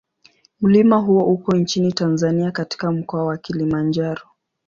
Mlima huo uko nchini Tanzania katika Mkoa wa Kilimanjaro.